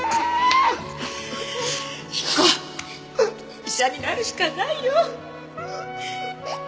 彦医者になるしかないよ。